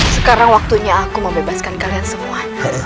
sekarang waktunya aku membebaskan kalian semua